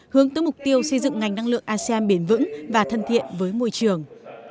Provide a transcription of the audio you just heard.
hướng tới mục tiêu xây dựng ngành năng lượng asean biển vững và thân thiện với môi trường